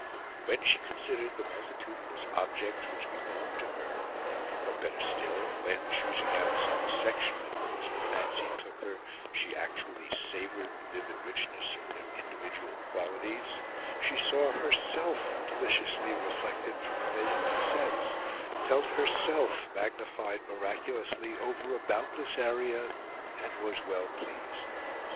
When she considered the multitudinous objects which belonged to her, or, better still, when, choosing out some section of them as the fancy took her, she actually savoured the vivid richness of their individual qualities, she saw herself deliciously reflected from a million facets, felt herself magnified miraculously over a boundless area, and was well pleased.